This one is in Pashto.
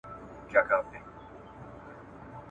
باران ودرېدلی و چي خلګ راووتل.